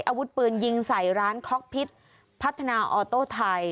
อาวุธปืนยิงใส่ร้านคอกพิษพัฒนาออโต้ไทย